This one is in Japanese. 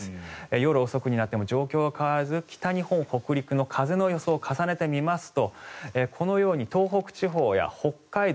夜遅くになっても状況は変わらず北日本、北陸の風の予想を重ねるとこのように東北地方や北海道